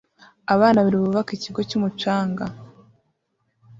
abana babiri bubaka ikigo cy'umucanga